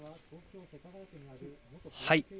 はい。